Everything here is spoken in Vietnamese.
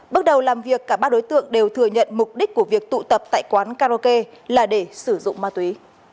bước đầu làm việc cả ba đối tượng đều thừa nhận mục đích của việc tụ tập tại quán karaoke là để sử dụng ma túy